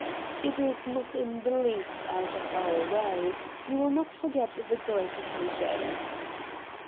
' It is not in the least out of our way. You will not forget the great occasion.'